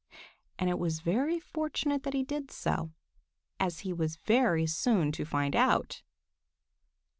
And it was very fortunate that he did so, as he was very soon to find out.